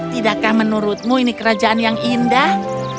tidakkah menurutmu ini kerajaan yang indah